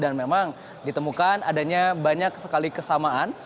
dan memang ditemukan adanya banyak sekali kesamaan